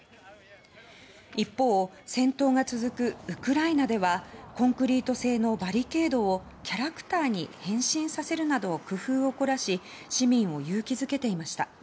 一方、戦闘が続くウクライナではコンクリート製のバリケードをキャラクターに変身させるなど工夫を凝らし市民を勇気づけていました。